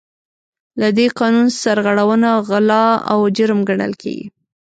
له دې قانون سرغړونه غلا او جرم ګڼل کیږي.